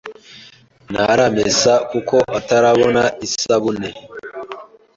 Ntaramesa kuko atarabona isabune.